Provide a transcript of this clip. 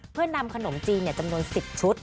เพื่อนำขนมจีนจำนวน๑๐ชุด